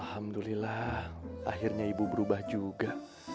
alhamdulillah akhirnya ibu berubah juga